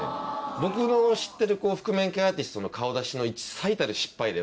僕の知ってる覆面系アーティストの顔出しの。